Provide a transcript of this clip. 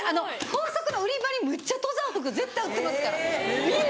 高速の売り場にむっちゃ登山服絶対売ってますから。